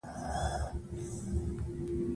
عدالت ټولنه ساتي.